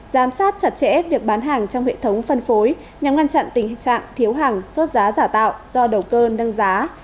giám sát chặt chẽ việc bán hàng trong hệ thống phân phối nhằm ngăn chặn tình trạng thiếu hàng sốt giá giả tạo do đầu cơ nâng giá